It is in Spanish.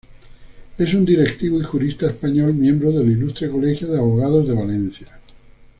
Es un directivo y jurista español, miembro del Ilustre Colegio de Abogados de Valencia.